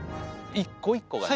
一個一個がね。